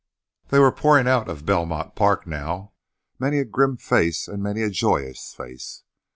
They were pouring out of Belmont Park, now, many a grim face and many a joyous face.